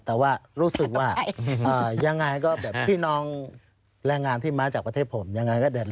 แต่ว่ารู้สึกว่ายังไงก็แบบพี่น้องแรงงานที่มาจากประเทศผมยังไงก็เด็ด